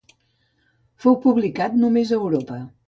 Fou publicat només a Europa.